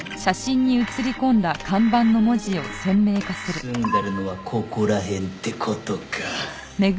住んでるのはここら辺って事か。